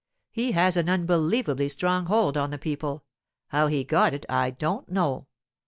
He has an unbelievably strong hold on the people—how he got it, I don't know.